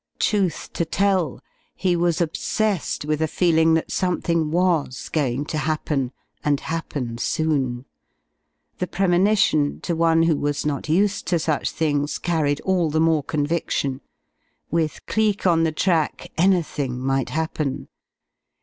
Truth to tell, he was obsessed with a feeling that something was going to happen, and happen soon. The premonition, to one who was not used to such things, carried all the more conviction. With Cleek on the track anything might happen.